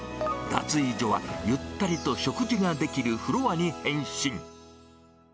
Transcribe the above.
脱衣所は、ゆったりと食事ができるフロアに変身。